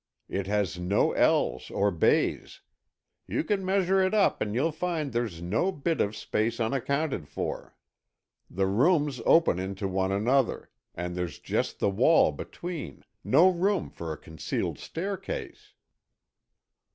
It has no L's or bays. You can measure it up and you'll find there's no bit of space unaccounted for. The rooms open into one another, and there's just the wall between, no room for a concealed staircase."